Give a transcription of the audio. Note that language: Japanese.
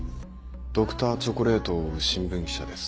Ｄｒ．チョコレートを追う新聞記者です。